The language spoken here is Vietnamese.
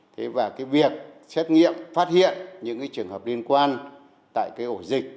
thế và cái việc xét nghiệm phát hiện những cái trường hợp liên quan tại cái ổ dịch